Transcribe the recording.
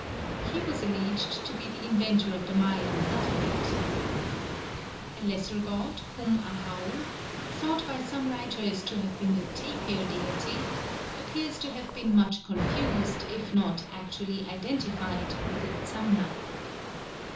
He was alleged to be the inventor of the Mayan alphabet. A lesser god, Cum Ahau, thought by some writers to have been the tapir deity, appears to have been much confused, if not actually identified, with Itzamna.